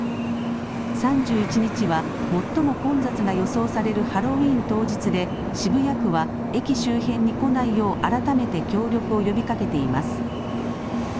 ３１日は、最も混雑が予想されるハロウィーン当日で、渋谷区は駅周辺に来ないよう、改めて協力を呼びかけています。